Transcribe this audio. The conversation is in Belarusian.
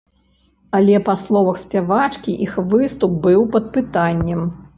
Але, па словах спявачкі, іх выступ быў пад пытаннем.